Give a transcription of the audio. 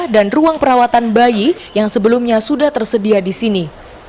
dan ruang perawatan bayi yang sebelumnya sudah tersedia di sini